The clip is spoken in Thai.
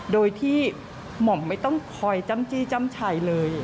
โดยที่หม่อมไม่ต้องคอยจ้ำจี้จ้ำชัยเลย